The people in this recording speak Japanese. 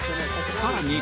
さらに